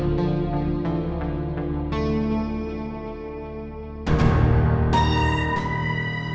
kau sangat baik yang bisa truth or earliest